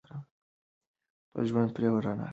خپل ژوند پرې رڼا کړو.